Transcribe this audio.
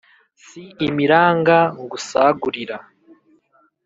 Si imiranga ngusagurira,